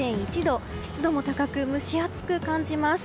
湿度も高く、蒸し暑く感じます。